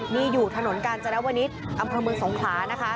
นี่อยู่ถนนการจรรยาวนิทอำพลเมืองสงขลานะคะ